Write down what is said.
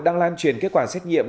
đang lan truyền kết quả xét nghiệm